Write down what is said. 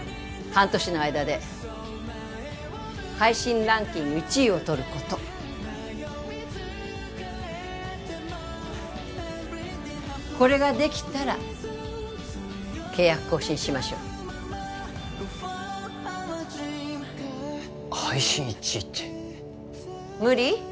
半年の間で配信ランキング１位をとることこれができたら契約更新しましょう配信１位って無理？